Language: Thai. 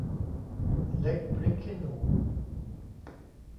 เล็กพริกขี้หนู